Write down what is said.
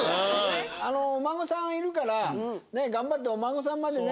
あのお孫さんいるから頑張ってお孫さんまでね